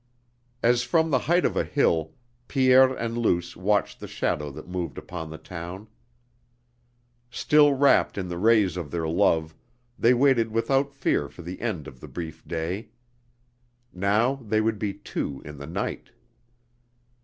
As from the height of a hill, Pierre and Luce watched the shadow that moved upon the town. Still wrapped in the rays of their love, they waited without fear for the end of the brief day. Now they would be two in the night.